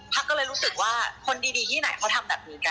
ก็เลยรู้สึกว่าคนดีที่ไหนเขาทำแบบนี้กัน